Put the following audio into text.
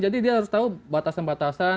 jadi dia harus tahu batasan batasan